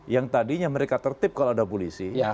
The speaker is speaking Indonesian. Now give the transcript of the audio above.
yang tadinya mereka tertip kalau ada polisi